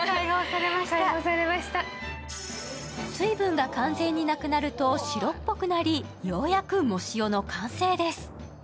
水分が完全になくなると、白っぽくなりようやく藻塩の完成です。